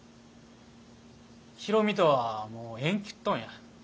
大海とはもう縁切っとんや。